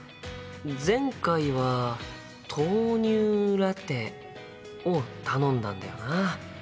前回は豆乳ラテを頼んだんだよな。